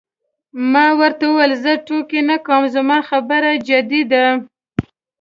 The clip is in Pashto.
ما ورته وویل: زه ټوکې نه کوم، زما خبره جدي ده.